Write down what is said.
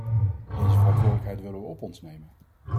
Deze verantwoordelijkheid willen we op ons nemen.